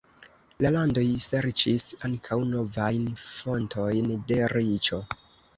La landoj serĉis ankaŭ novajn fontojn de riĉo.